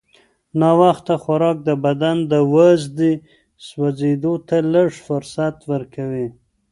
ناوخته خوراک د بدن د وازدې سوځېدو ته لږ فرصت ورکوي.